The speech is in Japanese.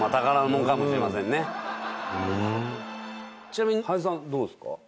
ちなみに林さんどうですか？